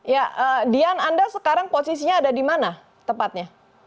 ya dian anda sekarang posisinya ada di mana tepatnya